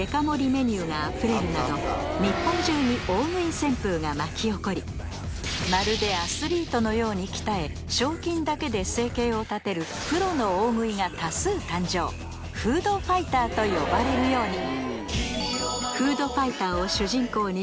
メニューがあふれるなどが巻き起こりまるでアスリートのように鍛え賞金だけで生計を立てるプロの大食いが多数誕生フードファイターと呼ばれるようにあったね